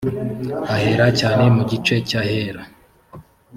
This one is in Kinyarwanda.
ahera cyane mu gice cy ahera